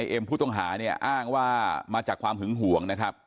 เอ็มผู้ต้องหาเนี่ยอ้างว่ามาจากความหึงห่วงนะครับ